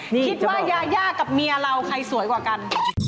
คิดว่ายายากับเมียเราใครสวยกว่ากัน